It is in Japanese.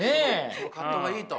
その葛藤がいいと。